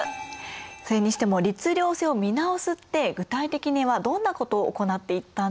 それにしても律令制を見直すって具体的にはどんなことを行っていったんでしょうか？